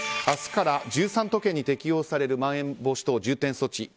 明日から１３都県に適用されるまん延防止等重点措置。